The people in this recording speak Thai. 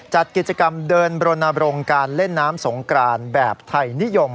จัดกิจกรรมเดินบรณบรงการเล่นน้ำสงกรานแบบไทยนิยม